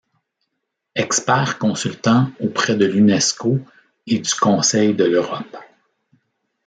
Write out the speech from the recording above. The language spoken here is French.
Expert consultant auprès de l'Unesco et du Conseil de l'Europe.